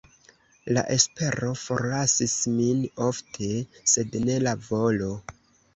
La espero forlasis min ofte, sed ne la volo.